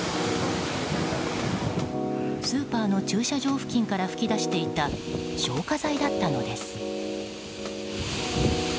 スーパーの駐車場付近から噴き出していた消火剤だったのです。